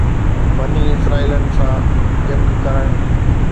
بني اسرائيلن سان جنگ ڪرڻ